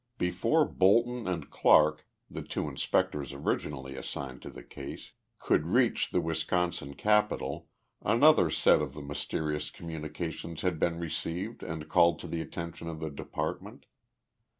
Before Bolton and Clarke, the two inspectors originally assigned to the case, could reach the Wisconsin capital another set of the mysterious communications had been received and called to the attention of the department.